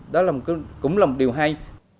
đó cũng là một điều hay